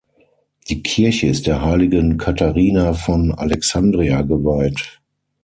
Die Kirche ist der heiligen Katharina von Alexandria geweiht.